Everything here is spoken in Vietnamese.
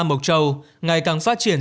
mộc châu ngày càng phát triển